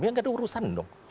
ya nggak ada urusan dong